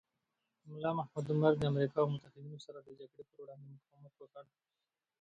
ملا محمد عمر د امریکا او متحدینو سره د جګړې پر وړاندې مقاومت وکړ.